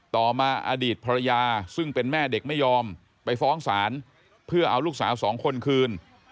ต่อมาอดีตภรรยาซึ่งเป็นแม่เด็กไม่ยอมไปฟ้องศาลเพื่อเอาลูกสาวสองคนคืน